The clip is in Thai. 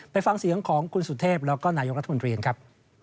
ไปฟังเสียงของคุณสุเทพแล้วก็นายกรัฐมนตรีครับ